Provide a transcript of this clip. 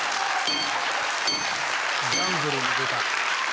ギャンブルに出た。